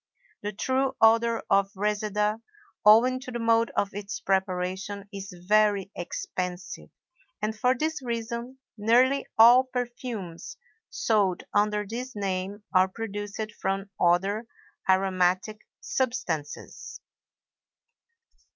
The true odor of reseda, owing to the mode of its preparation, is very expensive, and for this reason nearly all perfumes sold under this name are produced from other aromatic substances.